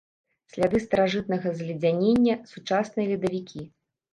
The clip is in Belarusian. Сляды старажытнага зледзянення, сучасныя ледавікі.